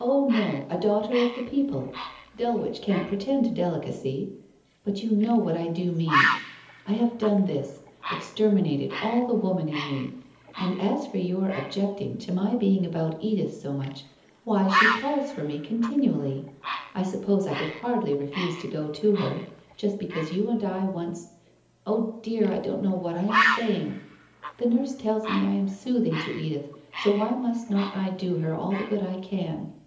i ' Oh, no, a daughter of the people ! Dulwich can't pre tend to delicacy. But you know what I do mean. I have done this, exterminated all the woman in me ! And as for your objecting to my being about Edith so much, why, she calls for me continually ! I suppose I could hardly refuse to go to her, just because you and I, once — oh, dear, I don't know what I am saying ! The nurse tells me I am sooth ing to Edith, so why must not I do her all the good I can